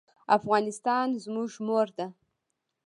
افغانستان زموږ مور ده.